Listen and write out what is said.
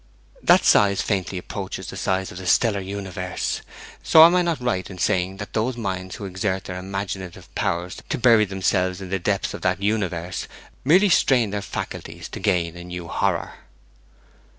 That size faintly approaches the size of the stellar universe. So am I not right in saying that those minds who exert their imaginative powers to bury themselves in the depths of that universe merely strain their faculties to gain a new horror?'